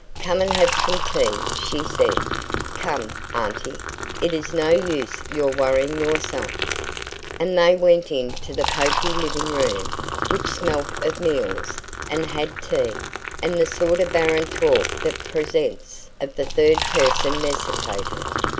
"Come and have some tea," she said. "Come, auntie; it is no use your worrying yourself." And they went into the poky living room, which smelt of meals, and had tea, and the sort of barren talk that the presence of the third person necessitated.